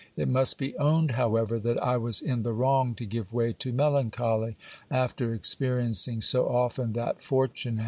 It must be owned, however, that I was in the wrong to give way to melancholy, after experiencing so often that fortune hf.